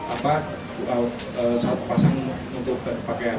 atau satu pasang untuk berpakaian ini